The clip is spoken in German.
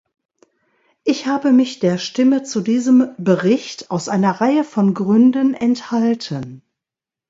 Ich habe mich der Stimme zu diesem Bericht aus einer Reihe von Gründen enthalten.